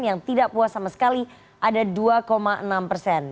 yang tidak puas sama sekali ada dua enam persen